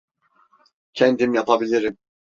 Kendim yapabilirim.